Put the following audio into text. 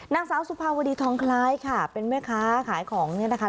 นางสาวสุภาวดีทองคล้ายค่ะเป็นแม่ค้าขายของเนี่ยนะคะ